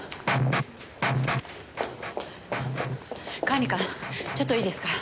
管理官ちょっといいですか？